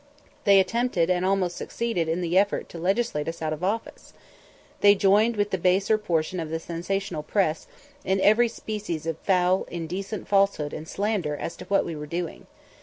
They attempted and almost succeeded in the effort to legislate us out of office. They joined with the baser portion of the sensational press in every species of foul, indecent falsehood and slander as to what we were doing.